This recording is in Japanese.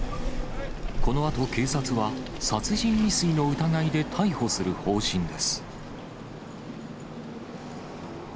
このあと警察は、殺人未遂の疑いで逮捕する方針です。